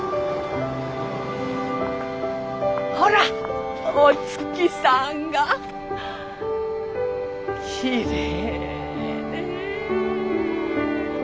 ほらっお月さんがきれいねえ。